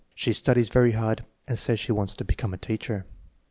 She studies very hard and says she wants to be come a teacher!